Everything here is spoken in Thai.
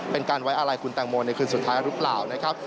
เป็นการไว้อาลัยคุณตังโมนในคืนสุดท้ายรึเปล่านะครับ